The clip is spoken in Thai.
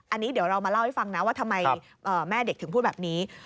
อันนี้เดี๋ยวเรามาเล่าให้ฟังนะว่าทำไมแม่เด็กถึงพูดแบบนี้